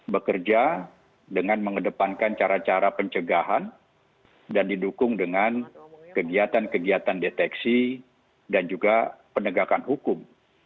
bekerja dengan mengedepankan cara cara pencegahan dan didukung dengan kegiatan kegiatan deteksi dan juga penegakan hukum